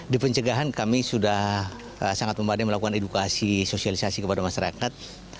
di pencegahan kami sudah sangat memadai melakukan edukasi sosialisasi kepada masyarakat